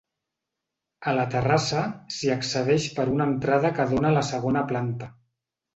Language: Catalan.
A la terrassa s'hi accedeix per una entrada que dóna a la segona planta.